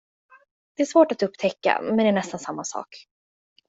Det är svårt att upptäcka, men är nästan samma sak.